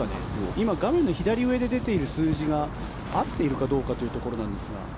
今、画面の左上で出ている数字が合っているかどうかというところなんですが。